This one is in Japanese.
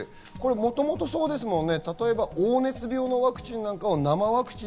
もともとそうですもんね、例えば黄熱病のワクチンなんかは生ワクチン。